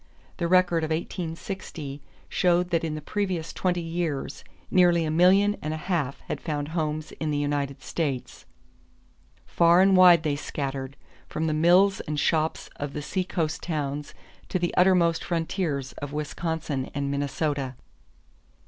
The record of 1860 showed that in the previous twenty years nearly a million and a half had found homes in the United States. Far and wide they scattered, from the mills and shops of the seacoast towns to the uttermost frontiers of Wisconsin and Minnesota.